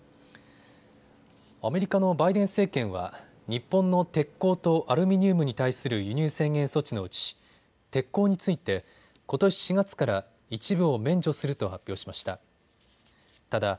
アメリカのバイデン政権は日本の鉄鋼とアルミニウムに対する輸入制限措置のうち鉄鋼についてことし４月から一部を免除すると発表しました。